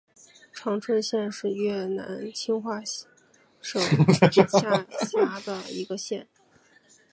常春县是越南清化省下辖的一个县。